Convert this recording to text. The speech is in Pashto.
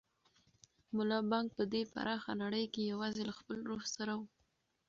ملا بانګ په دې پراخه نړۍ کې یوازې له خپل روح سره و.